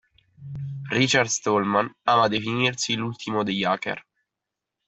Richard Stallman ama definirsi l'ultimo degli hacker.